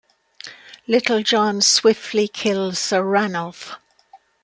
Little John swiftly kills Sir Ranulf.